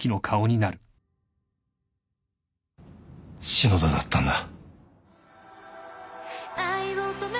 篠田だったんだ。